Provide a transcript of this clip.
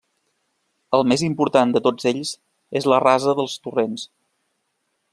El més important de tots ells és la Rasa dels Torrents.